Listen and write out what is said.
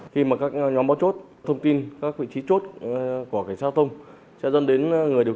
khi mà các nhóm báo chốt thông tin các vị trí chốt của cảnh sát giao thông sẽ dân đến người điều